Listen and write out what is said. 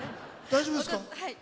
大丈夫です。